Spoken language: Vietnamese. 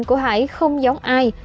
của hải không giống ai